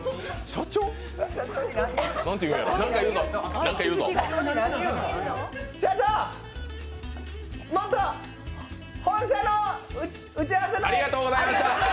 社長、もっと本社の打ち合わせのありがとうございました！